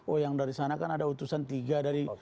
oh yang dari sana kan ada utusan tiga dari